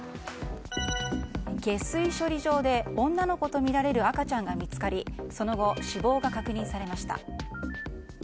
下水処理場で、女の子とみられる赤ちゃんが見つかりその後、死亡が確認されました。